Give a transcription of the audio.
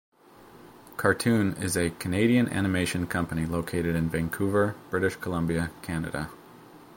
Cartoon is a Canadian animation company located in Vancouver, British Columbia, Canada.